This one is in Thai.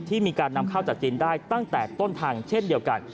มีการนำเข้าจากจีนได้ตั้งแต่ต้นทางเช่นเดียวกัน